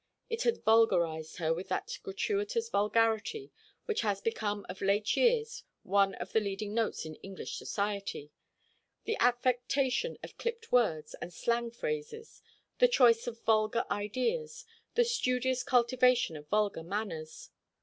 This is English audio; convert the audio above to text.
It had vulgarised her with that gratuitous vulgarity which has become of late years one of the leading notes in English society the affectation of clipped words and slang phrases, the choice of vulgar ideas, the studious cultivation of vulgar manners.